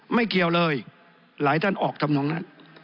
ไม่เกี่ยวเลยหลายท่านออกทำนองนั้น